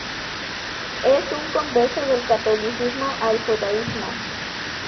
Es un converso del catolicismo al judaísmo.